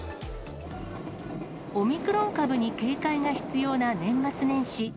オミクロン株に警戒が必要な年末年始。